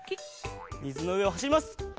みずのうえをはしります！